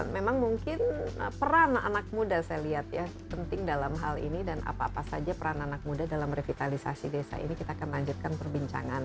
memang mungkin peran anak muda saya lihat ya penting dalam hal ini dan apa apa saja peran anak muda dalam revitalisasi desa ini kita akan lanjutkan perbincangan